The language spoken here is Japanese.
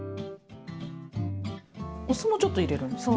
お酢もちょっと入れるんですね。